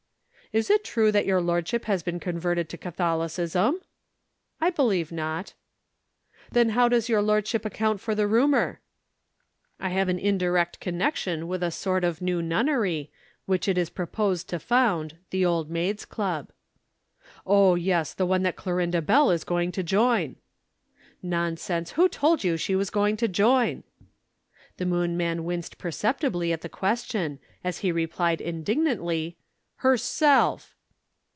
"Is it true that your lordship has been converted to Catholicism?" "I believe not." "Then how does your lordship account for the rumor?" "I have an indirect connection with a sort of new nunnery, which it is proposed to found the Old Maids' Club." "Oh, yes, the one that Clorinda Bell is going to join." "Nonsense! who told you she was going to join?" The Moon man winced perceptibly at the question, as he replied indignantly: "Herself!"